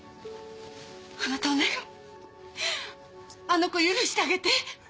あの子許してあげて。